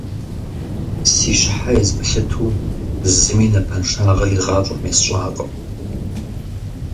Си щхьэ езмылъыту зыми напэншагъэ игъащӀэм есщӀакъым.